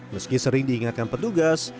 meski sering diingatkan petugas